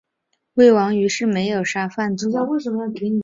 魏王于是没有杀范痤。